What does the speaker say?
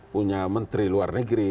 punya menteri luar negeri